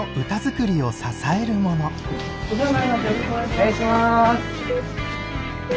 お願いします。